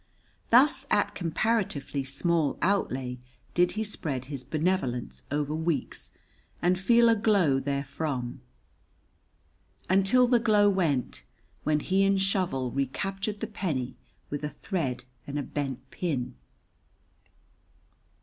Thus at comparatively small outlay did he spread his benevolence over weeks and feel a glow therefrom, until the glow went, when he and Shovel recaptured the penny with a thread and a bent pin.